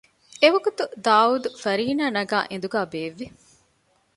އެވަގުތު ދާއޫދު ފަރީނާ ނަގައި އެނދުގައި ބޭއްވި